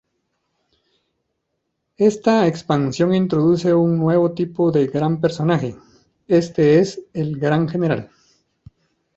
Esta expansión introduce un nuevo tipo de Gran personaje, este es el "Gran General".